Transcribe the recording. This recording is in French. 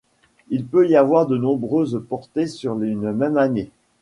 Il peut y avoir de nombreuses portées sur une même année.